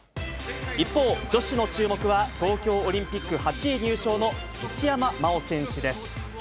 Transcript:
一方、女子の注目は、東京オリンピック８位入賞の一山麻緒選手です。